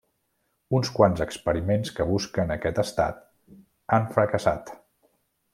Uns quants experiments que busquen aquest estat han fracassat.